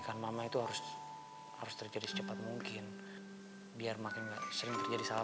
makan mama itu harus harus terjadi secepat mungkin biar makin sering terjadi salah